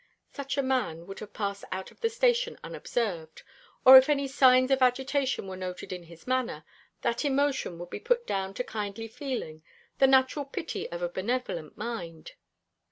Such a man would have passed out of the station unobserved; or if any signs of agitation were noted in his manner, that emotion would be put down to kindly feeling, the natural pity of a benevolent mind.